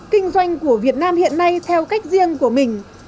kinh doanh của việt nam hiện nay theo cách riêng của mình